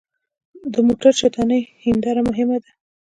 د موټر شاتنۍ هېنداره مهمه ده.